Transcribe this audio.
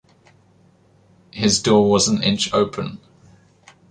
His door was an inch open.